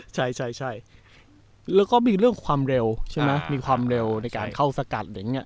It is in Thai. ใช่แล้วก็มีเรื่องความเร็วใช่ไหมมีความเร็วในการเข้าสกัด